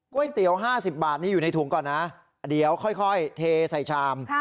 ก๋วยเตี๋ยวห้าสิบบาทนี่อยู่ในถุงก่อนนะเดี๋ยวค่อยค่อยเทใส่ชามค่ะ